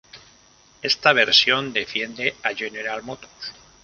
Esta versión defiende a General Motors.